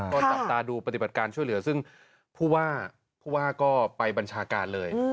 ก็จับตาดูปฏิบัติการช่วยเหลือซึ่งผู้ว่าผู้ว่าก็ไปบัญชาการเลย